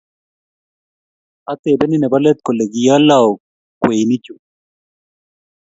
atebenin nebo leet kole kioleau kweinichu?